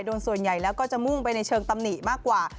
โดยส่วนใหญ่แล้วก็จะมุ่งไปในเชิงตำหนิมากกว่า